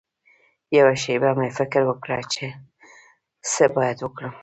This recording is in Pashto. یوه شېبه مې فکر وکړ چې څه باید وکړم.